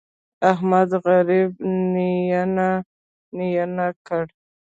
احمد غريب يې نينه نينه کړ.